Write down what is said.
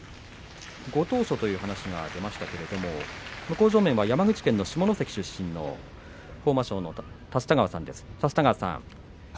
ご当所という話がありましたけれど向正面は山口県下関市出身の豊真将の立田川さんです。